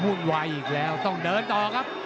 วุ่นวายอีกแล้วต้องเดินต่อครับ